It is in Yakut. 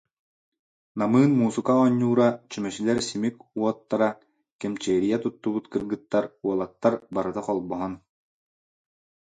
Намыын муусука оонньуура, чүмэчилэр симик уот- тара, кэмчиэрийэ туттубут кыргыттар, уолаттар барыта холбоһон